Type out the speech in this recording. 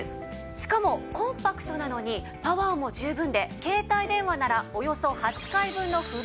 しかもコンパクトなのにパワーも十分で携帯電話ならおよそ８回分のフル充電が可能なんです。